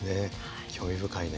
興味深いね。